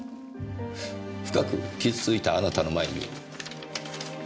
深く傷ついたあなたの前に。